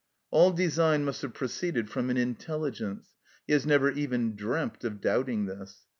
All design must have proceeded from an intelligence; he has never even dreamt of doubting this.